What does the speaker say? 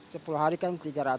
sepuluh hari kan tiga ratus